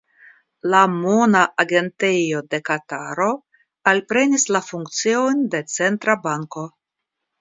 La Mona Agentejo de Kataro alprenis la funkciojn de centra banko.